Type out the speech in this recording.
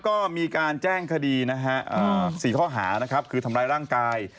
ก็มีการแจ้งคดีสี่ท่อหาคือทำลายร่างกาย